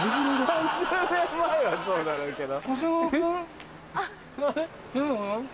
３０年前はそうだろうけど。